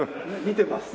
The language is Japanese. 見てます。